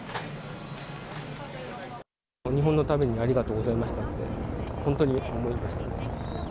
日本のためにありがとうございましたって、本当に思いました。